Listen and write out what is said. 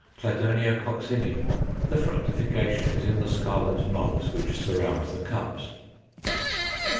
Cladonia coccinea; the fructification is in the scarlet knobs, which surround the cups.